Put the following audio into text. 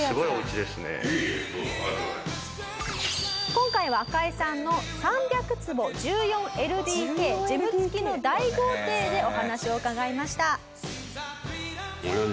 今回は赤井さんの３００坪１４ＬＤＫジム付きの大豪邸でお話を伺いました。